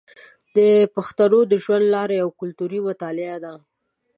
د پښتنو د ژوند لاره یوه کلتوري مطالعه ده.